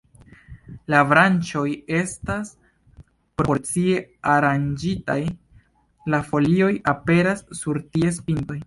La branĉoj estas proporcie aranĝitaj, la folioj aperas sur ties pintoj.